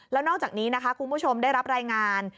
แล้วนอกจากนี้นะคะคุณผู้ชมได้รับรายงาน